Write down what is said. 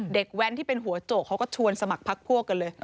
แว้นที่เป็นหัวโจกเขาก็ชวนสมัครพักพวกกันเลย